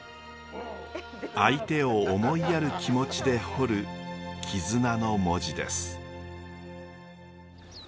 相手を思いやる気持ちで彫る絆の文字です。